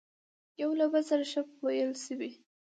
يوه له بل سره ښه پويل شوي،